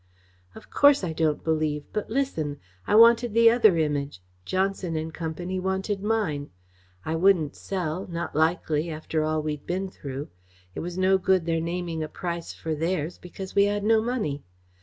"Of course I don't believe, but listen. I wanted the other Image. Johnson and Company wanted mine. I wouldn't sell not likely, after all we'd been through. It was no good their naming a price for theirs, because we had no money.